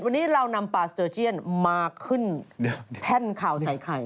วันนี้เรานำปลาสเตอร์เจียนมาขึ้นแท่นข่าวใส่ไข่